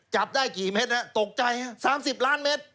จับได้กี่เม็ดตกใจ๓๐ล้านเมตร